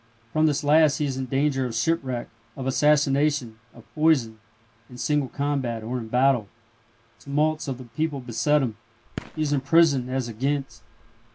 From this last he is in danger of shipwreck, of assassination, of poison, in single combat, or in battle; tumults of the people beset him; he is imprisoned as at Ghent.